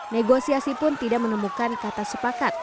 negosiasi pun tidak menemukan kata sepakat